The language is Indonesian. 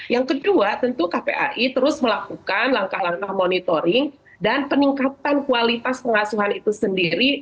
yang kedua tentu kpai terus melakukan langkah langkah monitoring dan peningkatan kualitas pengasuhan itu sendiri